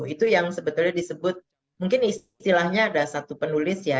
itu yang sebetulnya disebut mungkin istilahnya ada satu penulis ya